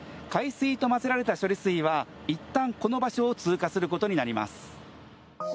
海水と混ぜられた処理水はいったんこの場所を通過することになります。